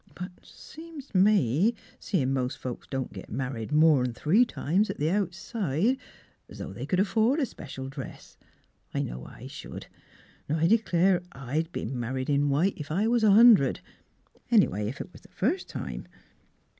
But seems t' me seein' mos' folks don't get mar ried more'n three times at the outside, 's though they c'd afford a special dress. I know I should. 'N' I d'clare I'd be mar ried in white, if I was a hundred, — any way ef it was the first time.